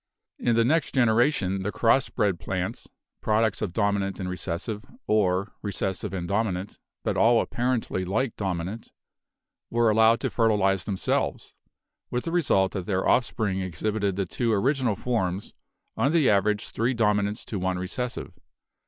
In the next generation the cross bred plants (products HEREDITY 255 of D and R or R and D, but all apparently like D) were allowed to fertilize themselves, with the result that their offspring exhibited the two original forms, on the average three dominants to one recessive.